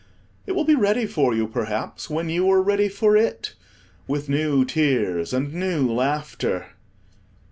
It will be ready for you, perhaps, when you are ready for it, with new tears and new laughter.